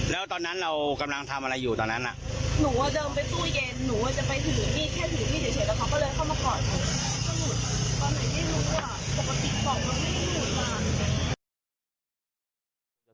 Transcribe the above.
แล้วตอนนั้นเรากำลังทำอะไรอยู่ตอนนั้นอ่ะ